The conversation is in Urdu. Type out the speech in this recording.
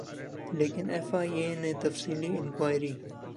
لیکن ایف اے اے نے تفصیلی انکوائری